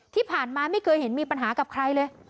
ที่ผ่านมาไม่เคยเห็นมีปัญหากับใครเลย